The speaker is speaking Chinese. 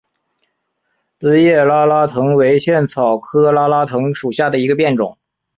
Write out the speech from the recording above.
钝叶拉拉藤为茜草科拉拉藤属下的一个变种。